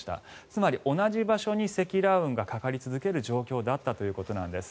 つまり同じ場所に積乱雲がかかり続ける状態だったということなんです。